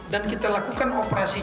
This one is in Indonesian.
dan kita lakukan operasi cipta